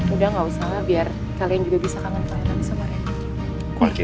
udah gak usah biar kalian juga bisa kangen sama rika